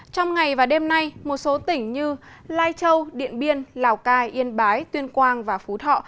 trong ngày và đêm nay một số tỉnh như lai châu điện biên lào cai yên bái tuyên quang và phú thọ